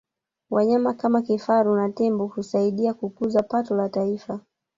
wanyama kama kifaru na tembo husaidia kukuza pato la taifa